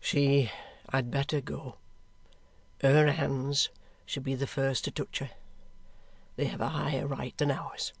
"She had better go. Her hands should be the first to touch her. They have a higher right than ours."